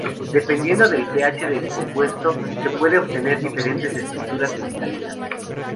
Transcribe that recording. Dependiendo del pH del compuesto, se puede obtener diferentes estructuras cristalinas.